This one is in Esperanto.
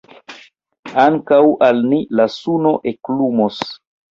Ankaŭ al ni la suno eklumos.